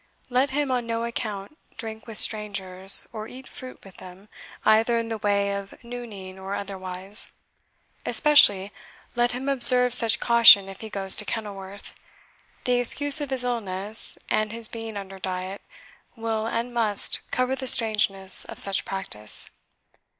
Let him, on no account, drink with strangers, or eat fruit with them, either in the way of nooning or otherwise. Especially, let him observe such caution if he goes to Kenilworth the excuse of his illness, and his being under diet, will, and must, cover the strangeness of such practice."